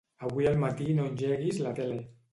Avui al matí no engeguis la tele.